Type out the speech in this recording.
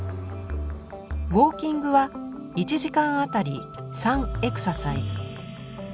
ウォーキングは１時間あたり３エクササイズ。